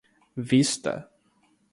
vista